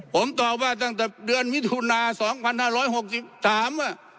ผมตอบว่าตั้งแต่เดือนมิถุนาสองพันห้าร้อยหกสิบสาม